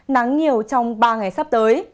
nắng nhiều trong ba ngày sắp tới